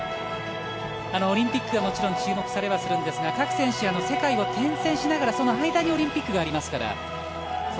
オリンピックはもちろん注目されるんですが各選手、世界を転戦しながら間にオリンピックがありますから。